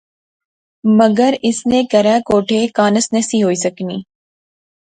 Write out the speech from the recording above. مگر اس نے کہھرے کوٹھے کانس نہسی ہوئی سکنی